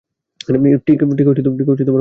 ঠিক হরিণটার মতো।